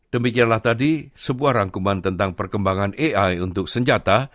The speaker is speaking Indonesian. demikianlah tadi sebuah rangkuman tentang perkembangan ai untuk senjata